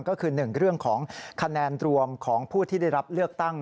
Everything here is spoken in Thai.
ก็คือ๑เรื่องของคะแนนรวมของผู้ที่ได้รับเลือกตั้ง